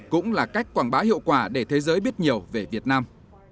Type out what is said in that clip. cũng là cách quảng bá hiệu quả để thế giới biết nhiều về việt nam